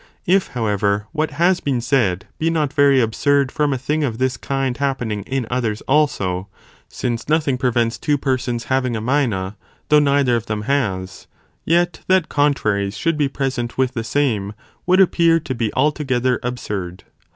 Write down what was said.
If however what has been said, be not very absurd from a thing of this kind happening in others also, (since nothing prevents two persons having a mina, though neither of them has,) yet that contraries should be present with the same, would appear to be altogether absurd.